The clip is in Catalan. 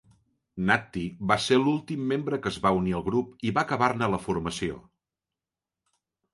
Natti va ser l'últim membre que es va unir al grup i va acabar-ne la formació.